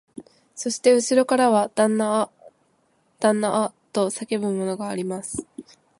そしてうしろからは、旦那あ、旦那あ、と叫ぶものがあります